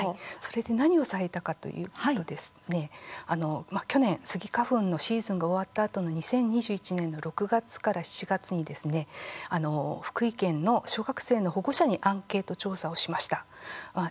それで何をされたかというと去年、スギ花粉のシーズンが終わったあとの２０２１年の６月から７月に福井県の小学生の保護者にアンケート調査をしました。